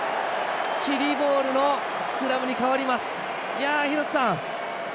チリボールのスクラムに変わります。